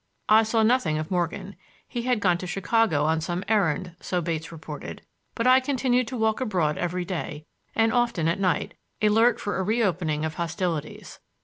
I saw nothing of Morgan—he had gone to Chicago on some errand, so Bates reported—but I continued to walk abroad every day, and often at night, alert for a reopening of hostilities.